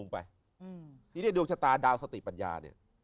นี้มีโด่งชะตาดาวสติปัญญา